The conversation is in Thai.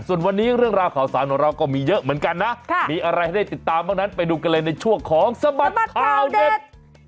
ส่วนวันนี้เรื่องราวข่าวสารของเราก็มีเยอะเหมือนกันนะมีอะไรให้ได้ติดตามบ้างนั้นไปดูกันเลยในช่วงของสบัดข่าวเด็ด